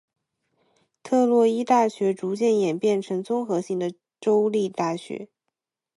特洛伊大学逐渐演变成综合性的州立大学。